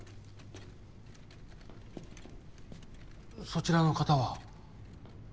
そちらの方は？